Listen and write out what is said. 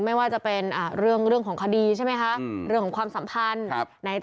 ไม่ว่าจะเป็นเรื่องของคดีใช่ไหมคะเรื่องของความสัมพันธ์